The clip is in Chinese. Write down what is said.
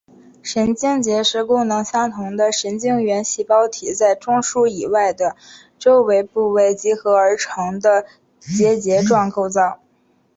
神经节是功能相同的神经元细胞体在中枢以外的周围部位集合而成的结节状构造。